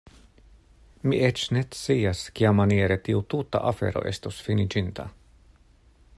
Mi eĉ ne scias kiamaniere tiu tuta afero estus finiĝinta.